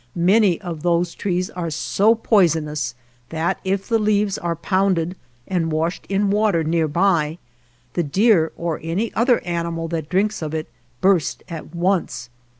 Many of those trees are so poisonous that if the leaves are pounded and washed in water near by, the deer, or any other animal that drinks of it burst at once.